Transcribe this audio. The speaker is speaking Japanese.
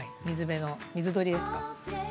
水鳥ですか？